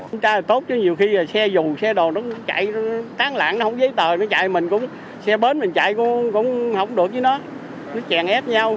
kiểm tra là tốt chứ nhiều khi là xe dù xe đồ nó chạy tán lãng nó không giấy tờ xe bến mình chạy cũng không được với nó nó chèn ép nhau